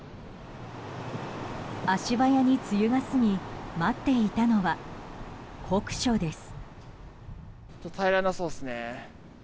足早に梅雨が過ぎ待っていたのは酷暑です。